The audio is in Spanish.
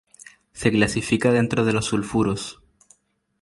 Se clasifica dentro de los sulfuros.